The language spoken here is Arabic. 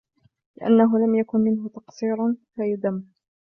لِأَنَّهُ لَمْ يَكُنْ مِنْهُ تَقْصِيرٌ فَيُذَمُّ